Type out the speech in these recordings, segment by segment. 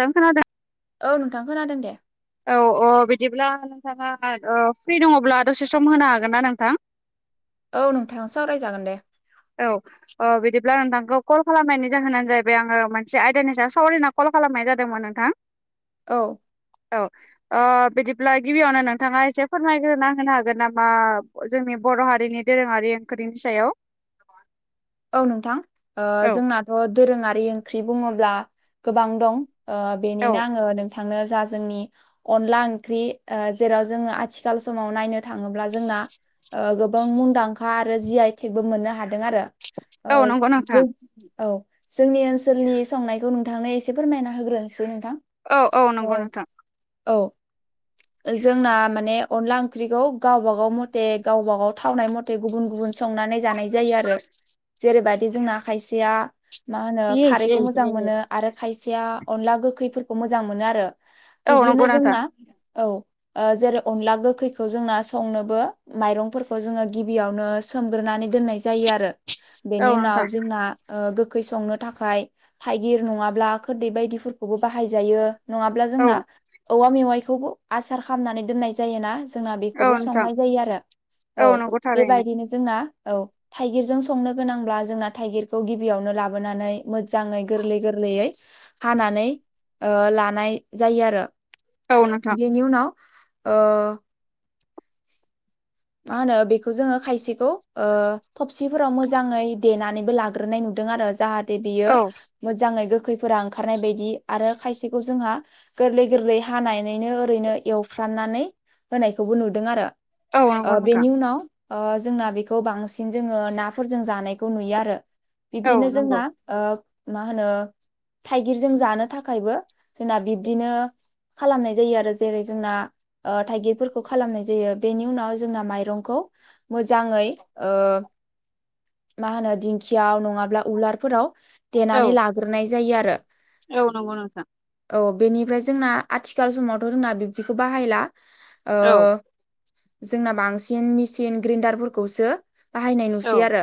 खोनादों औ नोंथां खोनादों दे औ अ बिदिब्ला नोंथाङा फ्रि दङब्ला दसे सम होनो हागोन ना नोंथां औ नोंथां सावरायजागोन दे औ अ बिदिब्ला नोंथांखौ कल खालामनायनि जाहोनानो जाहैबाय आंङो मोनसे आयदानि सायाव सावरिना कल खालामनाय जादोंमोन नोंथां। [inaudible] औ औ ओ बिदिब्ला गिबियावनो नोंथाङा एसे फोरमायग्रोना होनो हागोन नामा जोंनि बर' हारिनि दोरोङारि ओंखनि सायाव औ नोंथां औ जोंनाथ' दोरोङारि ओंख्रि बुङोब्ला गोबां दं औ बेनिनो आङो नोंथांनो जा जोंनि अनला ओंख्रि जेराव जोंङो आथिखाल समाव नायनो थाङोब्ला जोंना ओ गोबां मुंदांखा आरो जि आइ तेकबो मोननो हादों आरो। औ ओ नंगौ नोंथां जों औ जोंनि ओनसोलनि संनायखौ नोंथांनो एसे फोरमायना होग्रोनोसै नोंथां औ औ नंगौ नोंथां औ जोंना माने अनला ओंख्रिखौ गावबाागाव मथे गावबा गाव थावनाय म मथे गुबुन गुबुन संनानै जानाय जायो आरो। जेरैबायाददि जोंना खायसेया मा होनो खारैखौ मोजां मोनो आरो खायसेया अनला गोखैफोरखौ मोजां मोनो आरो औ बिब्दिनो नंगौ नोंथां जोंना औ। जेरै अनला गोखैखौ जोंना संनोबो माइरंफोरखौ जोंङो गिबियावनो सोमग्रोनानै दोननाय जायो आरो औ बेनि नोंथां उनाव जोंना ओ गोखै संनो थाखाय थाइगिर नङाब्ला खोरदै बायदिफोरखौबो बाहायजायो। नङाब्ला औ जोंना औवा मेवाइखौबो आसार खालामनानै दोननाय जायोना। जों औ बेखौबो नोंथां संनाय जायो आरो औ नंगौ थारैनो बेबायदिनो जोंना औ थाइगिरजों सं संनो गोनांब्ला जोंना थाइगिरखौ गिबियावनो लाबोनानै मोजांङै गोरलै गोरलैयै हानानै ऐ लानाय जायो आरो। औ नोंथां बिनिउ नाव ओ मा होनो बेखौ जोंङो खायसेखौ ओ थबसिफोराव मोजांङै देनानैबो लाग्रोनाय नुदों आरो जाहाथे बियो औ मोजाङै गोखैफोरा ओंखारनाय बायदि आरो खायसे जोंहा गोरलै गोरलै हानानैनो ओरैनो एवफ्राननानै होनायखौबो नुदों आरो औ नंगौ ओ नोंथां बेनि उनाव जोंना बेखौ बांसिन जोंङो नाफोरजों जानायखौ नुयो आरो। औ बिब्दिनो ओ नंगौ जोंना मा होनो थाइगिरजों जानो थाखायबो जोंना बिब्दिनो खालामनाय जायो आरो जेरै जोंना थाइगिरफोरखौ खालामनाय जायो। बेनि नि उनाव जोंना माइरंखौ मोजाङै ओ मा होनो दिंखियाव नङाब्ला उलारफोराव देनानै लाग्रोनाय जायो आरो। ओ नंगौ नोंथां औ बेनिफ्राय जोंना आथिखाल समावथ' जोंना बिब्दिखौ बाहायला ओ औ जोंना बांसिन मेसिन ग्रेन्डारफोरखौसो बाहायनाय औ नुसै आरो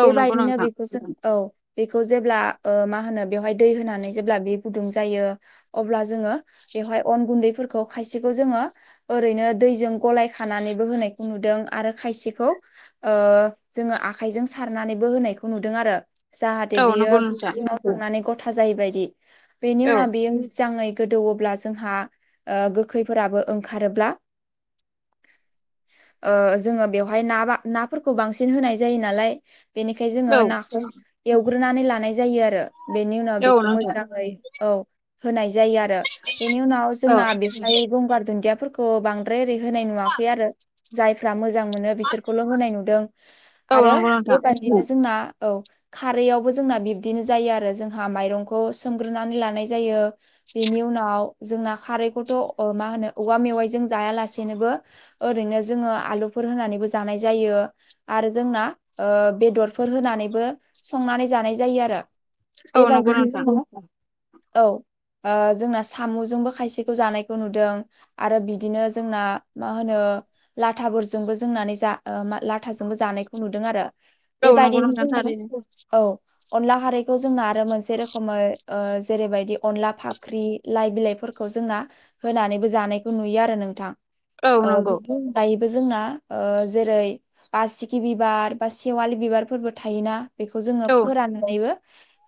औ नंगौ बेबायदिनो नोंथां बेखौ जों औ बेखौ जेब्ला ओ मा होनो बेवहाय दै होनानै जेब्ला बे गुदुं जायो अब्ला जोंङो बेवहाय अन गुन्दैफोरखौ खायसेखौ जोंङो ओरैनो दैजों गलाय खानानैबो होनायखौ नुदों आरो खायसेखौ ओ जोंङो आखाइजों सारनानैबो होनायखौ नुदों आरो। जाहाथे औ बियो नंगौ नोंथां सिङाव थांनानै गथा जायोैबायदि बेनि औ उनाव बियो मोजांङै गोदौवोब्ला जोंहा गोखैफोराबो ओंखारोब्ला ओ जोंङो बेवहाय न नाफोरखौ बांसिन होनाय जायो नालाय बेनिखाय जोंङो औ नाखौ एवग्रोनानै लानाय जायो आरो बेनि उनाव औ बेखौ नोंथां मोजांङै औ होनाय जायो आरो बेनि उनाव औ जोंना बेवहाय गंगार दुन्दियाफोरखौ बांद्राय ओरै होनाय नुवाखै आरो जायफ्रा मोजां मोनो बिसोरखौल' होनाय नुदों। औ आरो नंगौ नोंथां बेबादि बिदिनो जोंना औ खारैआवबो जोंना बिब्दिनो जायो आरो जोंहा माइरंखौ सोमग्रोनानै लानाय जायो बेनि उनाव जोंना खारैखौथ' मा होनो औवा मेवाइजों जायालासे बिनोबो ओरैनो जोङो आलुफोर होनानैबो जानाय जायो। आरो जोंना ओ बेदरफोर होनानैबो संनानै जानाय जायो आरो। औ बे नंगौ बायदिनो‌ नोंथां जोंङो औ ओ जोंना साम'जोंबो खायसेखौ जानायखौ नुदों आरो बिदिनो जोंना मा होनो लाथाफोरजोंबो जोंनानै जा लाथाजोंबो जानायखौ नुदों आरो। औ नंगौ बेबादिनो नोंथां जोङो थारैनो औ अनला खारैखौ जोंना आरो मोनसे रोखोमै जेरैबायदि अनला फाख्रि लाइ बिलाइफोरखौ जोंना होनानैबो जानायखौ नुयो आरो नोंथां औ नंगौ बेखौ दायोबो जोंना ओ जेरै बासिकि बिबार बा सेवालि बिबारफोरबो थायोना बेखौ जोङो औ फोराननानैबो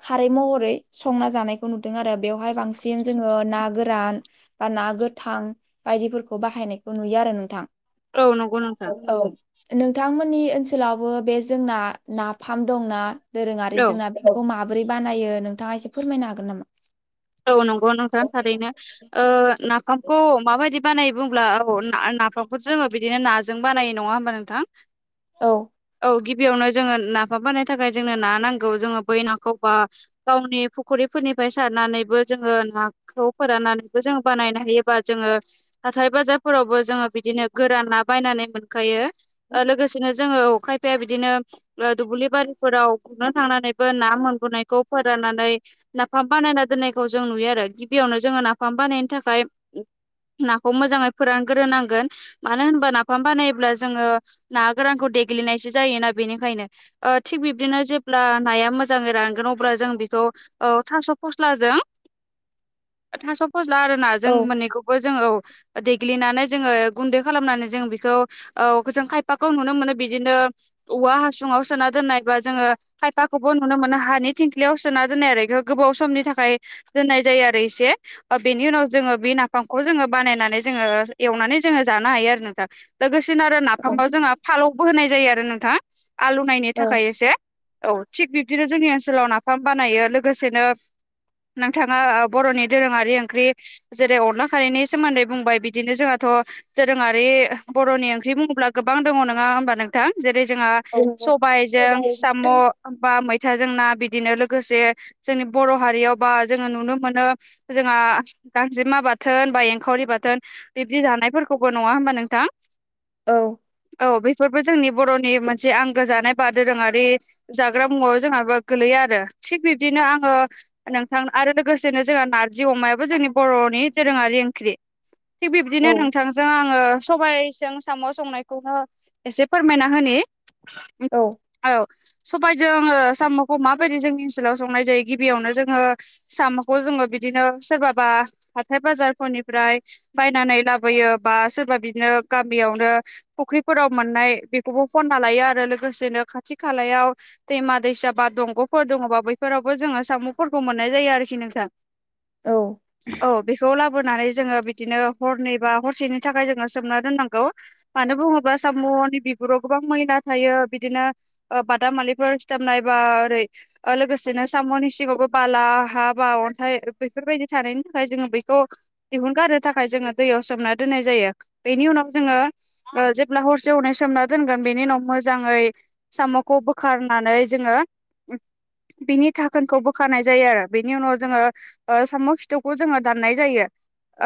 खारै महरै संना जानाय नुदों आरो बेवहाय बांसिन जोङो ना गोरान बा ना गोथां बायदिफोरखौ बाहायनायखौ नुयो आरो नोंथां औ नंगौ नोंथां औ नोंथांमोननि ओनसोलावबो बे जोंना नाफाम दंना दोरोङारि औ जोंना बे मखौ माबोरै बानायो नोंथाङा एसे फोरमायनो हागोन नामा? औ नंगौ नोंथां थारैनो। नाफामखौ माबायदि बानायो बुंब्ला औ नाफामखौ जोङो बिदिनो नाजों बानायो नङा होमबा नोंथां? औ औ गिबियावनो जोङो नाफा बनो थाखाय जोंनो ना नांगौ जोङो बै नाखौ बा गावनि फुखरिफोरनिफ्राय सारनानै जोङो नाखौ फोराननानैबो जोङ बानायनो हायोबा जोङो हाथाय बाजारफोरावबो जोङो बिदिनो गोरान ना बायनानै मोनखायो लोगोसेनो जोङो खायफाया बिदिनो दुब्लि बारिफोराव गुरनो थांनानैबो ना मोनबोनायखौ फोराननानै नाफाम बानायना दोननायखौ जों नुयो आरो गिबियावनो जोङो नाफाम बानायनायनि थाखाय नाखौ मोजाङै फोरानग्रोनांगोन मानो होनबा नाफाम बानायोब्ला जोङो ना गोरानखौ देग्लिनायसो जायोना बेनिखायनो थिग बिब्दिनो जेब्ला नाया मोजाङै रानगोन अब्ला जों बेखौ औ थास' फस्लाजों थास' फस्ला आरो ना जों औ मोन्नैखौबो जों औ देग्लिनानै जोङो गुन्दै खालामनानै जों बेखौ औ जों खायफाखौ नुनो मोनो बिदिनो औवा हासुङाव सोना दोननायबा जोङो खायफाखौबो नुनो मोनो हानि थिंख्लियाव सोना दोननाय आरो बेखौ गोबाव समनि थाखाय- दोन्नाय जायो आरो एसे बेनि उनाव जोङो बि नाफामखौ जोङो बानायनानै जोङो एवनानै जोङो जानो हायो आरो नोंथां। लोगोसेनो आरो औ नाफामाव जोंहा फालौबो होनाय जायो आरो नोंथाङा आलु नायनायनि औ थाखाय एसे औ थिग बिब्दिनो जोंनि ओनसोलाव नाफाम बानायो लोगोसेनो नोंथाङा बर'नि दोरोङारि ओंख्रि जेरै अनला खारैनि सोमोन्दै बुंबाय बिदिनो जोंहाथ' दोरोङारि बर'नि ओंख्रि बुङोब्ला गोबां दङ नङा होमबा नोंथां जेरै जोंहा औ सबायजों साम' बा मैथा जोंना बिदिनो लोगोसे जोंनि बर' हारियाव बा जोङो नुनो मोनो जोंहा गांजेमा बाथोन बा एंखावरि बाथोन बिब्दि जानायफोरखौबो नङा होमबा नोंथां औ औ बेफोरबो जोंनि बर'नि मोनसे आंगो जानाय बा दोरोङारि जाग्रा मुवायाव जोंहाबा गोलैयो आरो थिग बिब्दिनो आङो नोंथां आरो लोगोसेनो जोंहा नारजि अमायाबो जोंनि बर'नि दोरोङारि ओंख्रि। थिग बिब्दिनो औ नोंथांजों आङो सबबायजों साम' संनायखौनो एसे फोरमायना होनि औ औ सबबायजोंङो साम'खौ माबायदि जोंनि ओनसोलाव संनाय जायो गिबियावनो जों साम'खौ जोङो बिदिनो सोरबाबा हााथथाय बाजारफोरनिफ्राय बायनानै लाबोयो बा सोरबा बिदिनो गामियावनो फुख्रिफोराव मोननाय बेखौबो फनना लायो आरो लोगोसेनो खाथि खालायाव दैमा दैसा बा दंग'फोर दङबा बैफोरावबो जोङो सामु मोननाय जायो आरोखि नोंथां। औ बेखौ ला बोनानै जोङो बिदिनो हरनै बा हरसेनि थाखाय जोङो सोमना दोननांगौ। मानो बुङोब्ला साम'नि बिगुराव गोबां मैला थायो बिदिनो बादामालिफोर सिथाबनाय बा ओरै लोगोसेनो साम'नि सिङावबो बाला हा बा अन्थाइ बेफोरबायदि थानायनि थाखाय जोङो बेखौ दिहुनगारनो थाखाय जोङो दैयाव सोमना दोननाय जायो बेनि उनाव जोङो ओ जेब्ला हरसे हरनै सोमना दोनगोन बेनि उनाव मोजाङै साम'खौ बोखारनानै जोङो बिनि थाखोनखौ बो खानाय जायो आरो बेनि उनाव जोङो साम' खिथुखौ जोङो दाननाय जायो।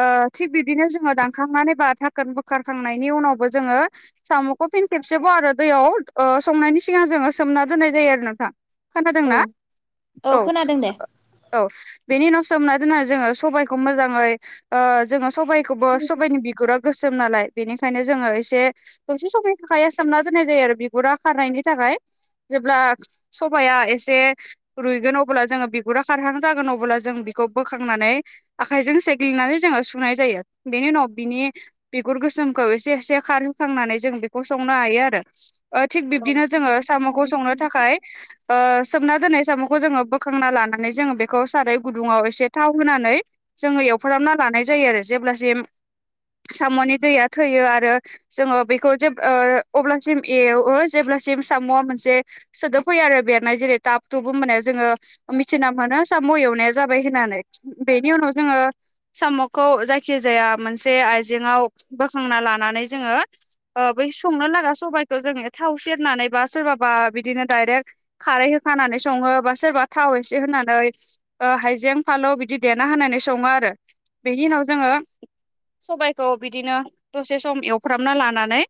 ओ थिग बिदिनो जोङो दानखांनानै बा थाखोन बोखारखांनायनि उनावबो जोङो साम'खौ फिन खेबसेबाव आरो दैयाव ओ संनायनि सिगां जोङो सोमना दोननाय जायो आरो नोंथां। खोनादोंना? औ। खोनादों दे औ बेनि उनाव सोम दोनना जोङो सबाइखौ मोजाङै ओ जोङो सबाय खौबो सबायनि बिगुरा गोसोम नालाय। बेनिखायनो जोङो एसे दसे समनि थाखाय सोमना दोननाय जायो आरो बिगुरा खारनायनि थाखाय। जेब्ला सबाया एसे रुइगोन अ अब्ला जोङो बिगुरा खारहां जागोन अब्ला जों बि बेखौ बोखांनानै आखाइजों सेग्लिनानै जोङो सुनाय जायो बेनि उनाव बिनि बिगुर गोसोमखौ एसे एसे खारहोखांनानै जों बेखौ संनो हायो आरो। ओ थिग औ बिब्दिनो जोङो साम'खौ संनो थाखाय ओ सोमना दोननाय साम'खौ जोङो सुखांना लानानै जोङो बेखौ साराय गुदुङाव एसे थाव होनानै जोङो एवफोरामना लानाय जायो आरो जेब्लासिम साम'नि दैया थैयो आरो जोङो बेखौ जे ओ अब्लासिम एयाव जेब्लासिम सामुआ मोनसे सोदोब फैयो आरो बेरनाय जेरै टाब थुब होनबाना जोङो मिथिना मोनो साम' एवनाया जाबाय होननानै बेनि उनाव जोङो साम'खौ जायखिजाया मोनसे आइजेेङाव बोखांना लानानै जोङो बै संनो लागा सबायखौ जोङो थाव सेरनानै बा सोरबाबा बिदिनो दायरेक्ट खारै होखानानै सङो बा सोरबा थाव एसे होनानै हाइजें फालौ बिदि देना होनानै सङो आरो। बेनि उनाव जोङो सबायखौ बिदिनो दसे सम एवफ्रामना लानानै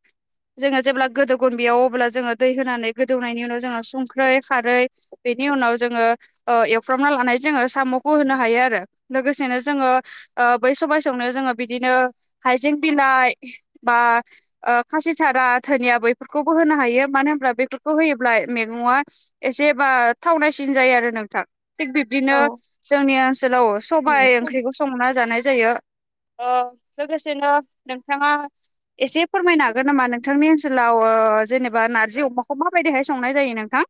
जोङो जेब्ला गोदौगोन बेयाव अब्ला जोङो दै होनानै गोदौनायनि उनाव जोङो संख्रै खारै बेनि उनाव जोङो ओ एवफ्रामना लानाय जोङो साम'खौ होनो हायो आरो लोगोसेनो जोङो ओ बै सबाय संनायाव जोङो बिदिनो हायजें बिलाइ बा ओ खासि थारा धोनिया बेैफोरखौबो होनो हायो मानो होनब्ला बेफोरखौ होयोब्ला मेगंआ एसेबा थावनायसिन जायो आरो नोंथां थिक बिबदिनो औ जोंनि ओनसोलाव सबाय ओंख्रिखौ संना जानाय जायो ओ लोगोसेनो नोंथाङा एसे फोरमायनो हागोन नामा नोंथांनि ओनसोलाव ओ जेनेबा नारजि अमाखौ माबायदिहाय संनाय जायो नोंथां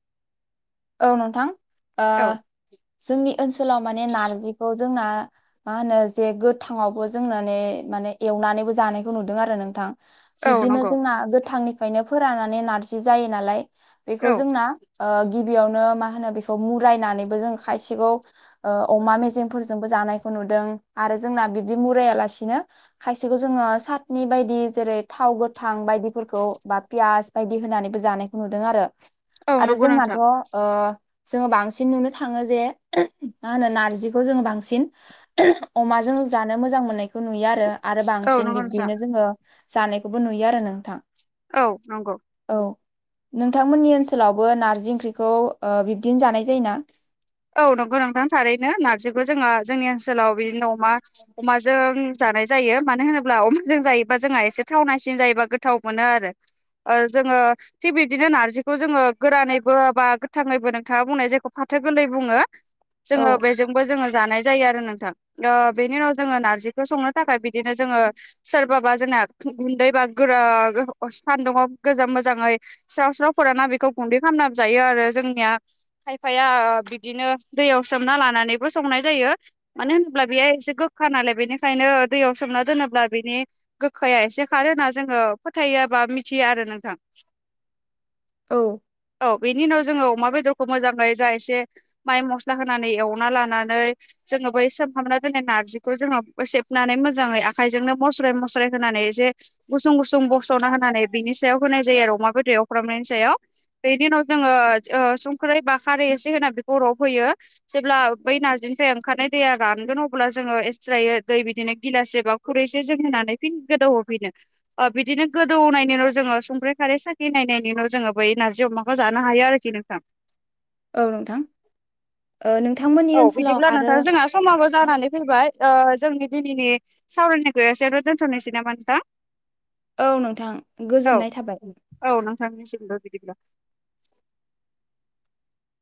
औ नोंथां ओ औ जोंनि ओनसोलाव माने नारजिखौ जोंना मा होनो जे गोथाङावबो जोंनानै माने एवनानैबो जानायखौ नुदों आरो नोंथां औ बिब्दिनो नंगौ जोंना गोथांनिफ्रायनो फोराननानै नारजि जायो नालाय बेखौ औ जोंना ओ गिबियावनो मा होनो बेखौ मुरायनानैबो जों खायसिगौ ओ अमा मेजेमफोरजोंबो जानायखौ नुदों आरो जोंना बिब्दि मुरायालासिनो खायसेखौ जोङो सातनि बायदि जेरै थाव गोथां बायदिफोरखौ बा पियास बायदि होनानैबो जानायखौ नुदों आरो औ आरो नंगौ नोंथां जोंनाथ' ओ जोङो बांसिन नुनो थाङो जे मा होनो नारजिखौ जोङो बांसिन अमाजों जानो मोजां मोननायखौ नुयो आरो आरो औ बांसिन नंगौ नोंथां बिब्दिनो जोङो जानायखौबो नुयो आरो नोंथां औ नंगौ औ नोंथांमोननि ओनसोलावबो नारजि ओंख्रिखौ ओ बिब्दिनो जानाय जायोना औ नंगौ नोंथां थारैनो नारजिखौ जोंङो जोंनि ओनसोलाव बिदिनो अमा अमाजों जानाय जायो मानो होनोब्ला अमाजों जायोबा जोंहा एसे थावनासिन जायोबा गोथाव मोनो आरो ओ जोङो थिग बिदिनो नारजिखौ जोङो गोरानैबो बा गोथाङैबो नोंथाङा बुंनाय जायखौ फाथो - गोरलै बुङो जोङो औ बे बो जोङो जानाय जायो आरो नोंथां ओ बेनि उनाव जोङो नारजिखौ संनो थाखाय बिदिनो जोङो सोरबाबा जोंना गुन्दै बा गोरा सान्दुंआव गोजाम मोजाङै स्राव -स्रावफोराना बेखौ गुन्दै खालामना जायो आरो जोंनिया खायफाया बिदिनो दैयाव सोमना लानानैबो संनाय जायो मानो होनोब्ला बेयो एसे गोखा नालाय बेनिखायनो दैयाव सोमना दोनोब्ला बिनि गोखाया एसे खारो होना जोङो फोथायो बा मिथिया आरो नोंथां औ औ बेनि उनाव जोङो अमा बेदरखौ मोजांयै जा एसे माइ मस्ला होनानै एवना लानानै जोङो बै सोमहाबना दिनै नार्जिखौ जोङो सेबनानै मोजाङै आखायजोंनो मस्राय मस्राय होनानै जे गुसुं -गुसुं बस'ना होनानै बिनि सायाव होनाय जायो आरो अमा बेदै एवफ्रामनायनि सायाव बेनि उनाव जोङो ओ संख्रै बा खारै एसे होनानै बेखौ रबहैयो जेब्ला बै नारजिनिफ्राय ओंखारनाय दैया रानगोन अब्ला जोङो एसट्रायै दै बिदिनो गिलास एबा खुरैसे जों होनानै फिन गोदौ होफिनो ओ बिदिनो गोदौनायनि उनाव जोङो संख्रि खारै साखिनायनायनिनाव जोङो बै नारजि अमाखौ जानो हायो आरोखि नोंथां औ नोंथां ओ नों औ बिदिब्ला नोंथां जोंहा समाबो जानानै फैबाय ओ जोंनि दिनैनि सावरायनि गयो आरो दोनथनोसै नामा नोंथां औ नोंथां औ गोजोननाय थाबाय औ नोंथांनिसिमबो बिदिब्ला